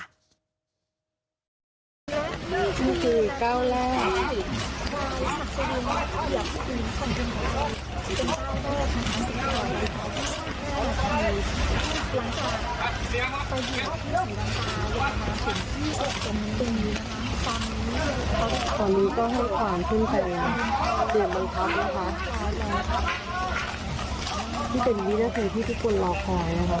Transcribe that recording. ตอนนี้ก็ให้ความขึ้นใจเดี๋ยวบันทับนะคะที่เป็นวิทยาเทพที่ทุกคนรอคอยนะคะ